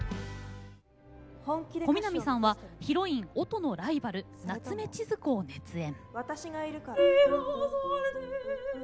小南さんはヒロイン音のライバル夏目千鶴子を熱演。